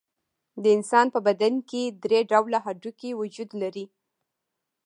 د انسان په بدن کې درې ډوله هډوکي وجود لري.